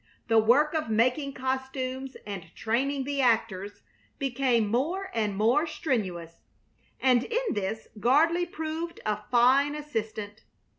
The work of making costumes and training the actors became more and more strenuous, and in this Gardley proved a fine assistant.